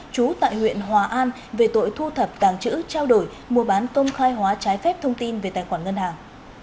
trú tại huyện hòa an về tội thu thập tàng chữ trao đổi mua bán công khai hóa trái phép thông tin về tài khoản ngân hàng